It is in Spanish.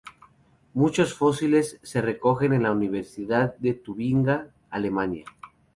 Muchos fósiles se recogen en la Universidad de Tubinga, Alemania.